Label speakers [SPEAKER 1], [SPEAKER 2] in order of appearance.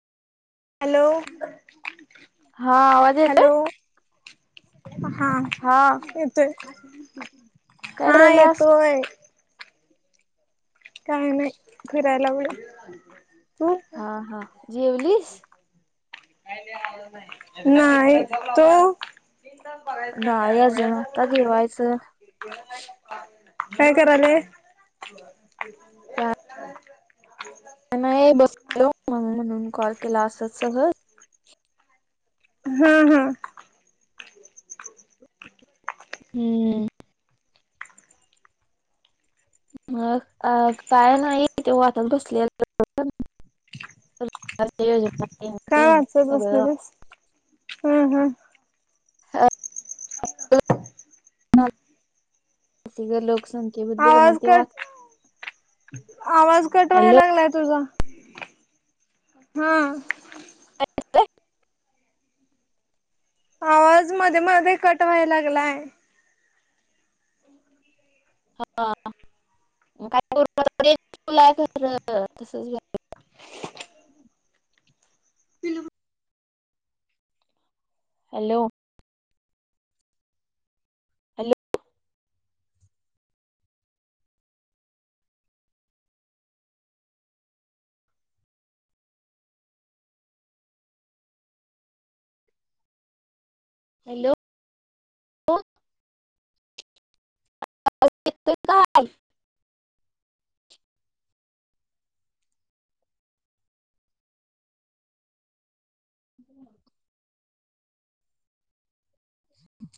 [SPEAKER 1] Hello.
[SPEAKER 2] हा आवाज येतोय?
[SPEAKER 1] हॅलो हा येतोय.
[SPEAKER 2] काय
[SPEAKER 1] हा
[SPEAKER 2] करायल्यास?
[SPEAKER 1] येतोय. काय नाय फिरायला व्हय.
[SPEAKER 2] हा हा जेवलीस?
[SPEAKER 1] नाय, तु?
[SPEAKER 2] नाही अजून आता जेवायचं
[SPEAKER 1] काय करायले?
[SPEAKER 2] काय
[SPEAKER 1] [inaudible]
[SPEAKER 2] नाही बसलो म्हणून म्हणून कॉल केला असचं सहज
[SPEAKER 1] हम्म हम्म.
[SPEAKER 2] हम्म. मग अ काय नाही ते वाचात बसलेल [unintelligible] सरकार योजना [unintelligible]
[SPEAKER 1] काय
[SPEAKER 2] हे
[SPEAKER 1] वाचत
[SPEAKER 2] सगळं
[SPEAKER 1] बसलेलीस हम्म हम्म.
[SPEAKER 2] [unintelligible] ती लोकसं
[SPEAKER 1] आवाज कट आवाज कट व्हाय
[SPEAKER 2] हॅलो
[SPEAKER 1] लागलाय तुझा हा.
[SPEAKER 2] [inaudible]
[SPEAKER 1] आवाज मध्ये मध्ये कट व्हायला लागलाय
[SPEAKER 2] [unintelligible]
[SPEAKER 1] [inaudible]
[SPEAKER 2] हॅलो. Hello hello. आवाज आवाज येतोय काय?